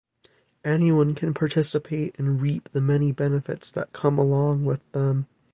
Anyone can participate and reap the many benefits that come along with them.